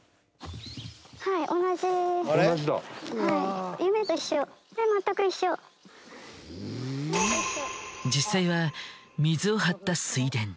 はい実際は水を張った水田。